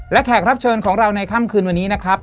และแขกรับเชิญของเราในค่ำคืนวันนี้นะครับ